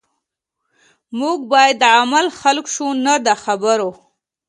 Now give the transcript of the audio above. موږ باید د عمل خلک شو نه د خبرو